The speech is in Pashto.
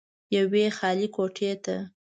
يوې خالې کوټې ته